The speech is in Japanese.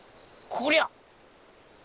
こりゃ！